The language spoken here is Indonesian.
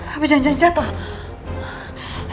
apa janjian jatuh